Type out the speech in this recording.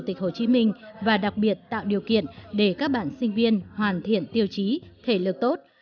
chủ tịch hồ chí minh và đặc biệt tạo điều kiện để các bạn sinh viên hoàn thiện tiêu chí thể lực tốt